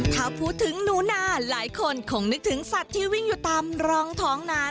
ถ้าพูดถึงหนูนาหลายคนคงนึกถึงสัตว์ที่วิ่งอยู่ตามรองท้องนา